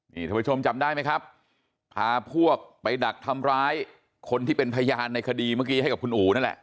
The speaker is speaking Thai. นี่ท่านผู้ชมจำได้ไหมครับพาพวกไปดักทำร้ายคนที่เป็นพยานในคดีเมื่อกี้ให้กับคุณอู๋นั่นแหละ